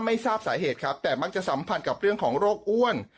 ไม่ทราบสาเหตุครับแต่มักจะสัมผัสกับเรื่องของโรคอ้วน